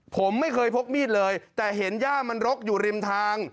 ผมไม่เคยพกมีดเลยแต่เห็นย่ามันรกอยู่ริมทาง